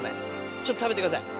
ちょっと食べてください。